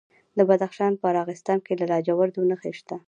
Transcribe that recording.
د بدخشان په راغستان کې د لاجوردو نښې شته.